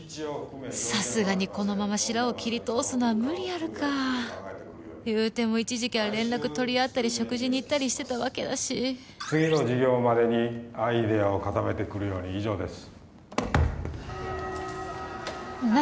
さすがにこのままシラを切り通すのは無理あるか言うても一時期は連絡取り合ったり食事に行ったりしてたわけだし次の授業までにアイデアを固めてくるように以上です何？